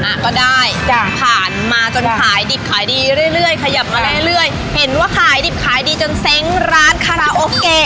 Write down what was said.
ก็ได้จ้ะผ่านมาจนขายดิบขายดีเรื่อยขยับมาเรื่อยเห็นว่าขายดิบขายดีจนเซ้งร้านคาราโอเกะ